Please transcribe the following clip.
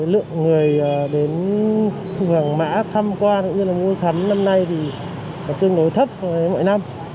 lượng người đến hàng mã tham quan cũng như là mua sắm năm nay thì tương đối thấp với mỗi năm